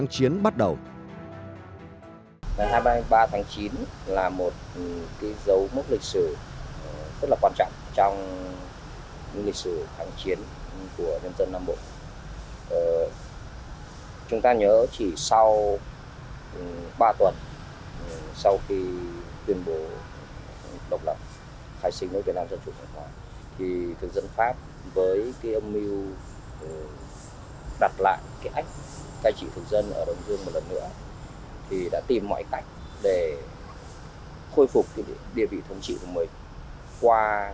điều kháng chiến bắt đầu